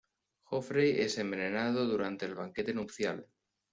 Joffrey es envenenado durante el banquete nupcial.